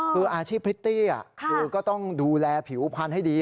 คืออาชีพพริตตี้ก็ต้องดูแลผิวอุปรันให้ดี